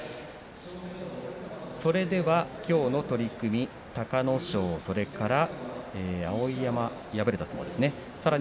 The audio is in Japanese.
きょうの取組、隆の勝それから碧山、敗れた相撲ですね。